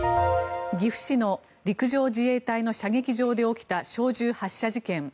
岐阜市の陸上自衛隊の射撃場で起きた小銃発射事件。